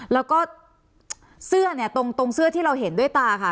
แล้วก็เสื้อเนี่ยตรงเสื้อที่เราเห็นด้วยตาค่ะ